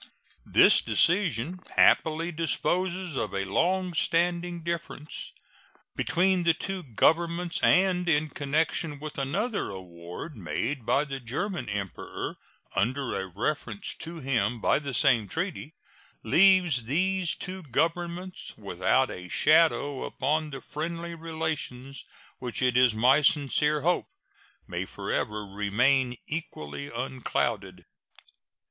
This decision happily disposes of a long standing difference between the two Governments, and, in connection with another award, made by the German Emperor under a reference to him by the same treaty, leaves these two Governments without a shadow upon the friendly relations which it is my sincere hope may forever remain equally unclouded.